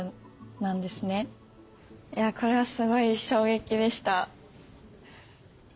いやこれはすごい衝撃でした。